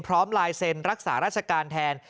ลายเซ็นรักษาราชการแทน